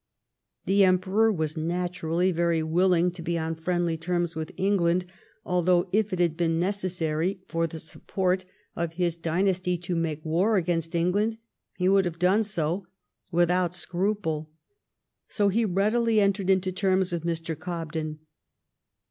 The Emperor was naturally very willing to be on friendly terms with England, although if it had been necessary for the support of his THE REPEAL OF THE TAXES ON EDUCATION 219 dynasty to make war against England he would have done so without scruple. So he readily entered into terms with Mr. Cobden.